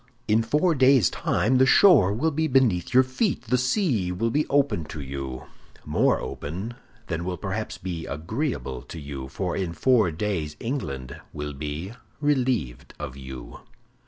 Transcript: In four days' time the shore will be beneath your feet, the sea will be open to you—more open than will perhaps be agreeable to you, for in four days England will be relieved of you."